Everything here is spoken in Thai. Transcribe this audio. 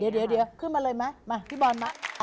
เดี๋ยวขึ้นมาเลยมั้ยมาพี่บอลนี่ค่ะ